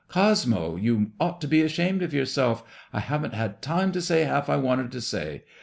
Cosmo, you ought to be ashamed of yourself, i haven't had time to say half I wanted to say.